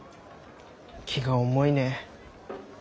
気が重いね。